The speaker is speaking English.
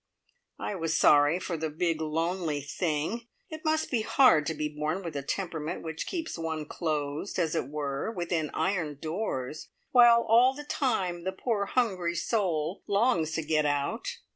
I was sorry for the big lonely thing. It must be hard to be born with a temperament which keeps one closed, as it were, within iron doors, while all the time the poor hungry soul longs to get out.